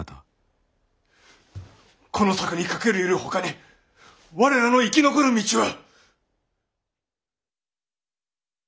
この策にかけるよりほかに我らの生き残る道は！